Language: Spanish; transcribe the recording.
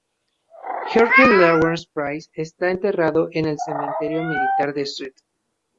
George Lawrence Price está enterrado en el cementerio militar de St.